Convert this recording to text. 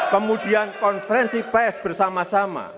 kemudian konferensi pes bersama sama